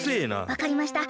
わかりました。